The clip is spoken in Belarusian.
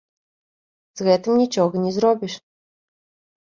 З гэтым нічога не зробіш.